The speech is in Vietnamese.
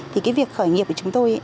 thì cái việc khởi nghiệp của chúng tôi